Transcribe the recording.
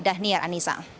dah niar anissa